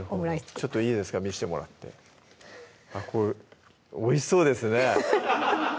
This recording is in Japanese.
ちょっといいですか見してもらっておいしそうですね